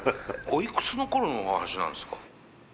おいくつのころのお話なんですか？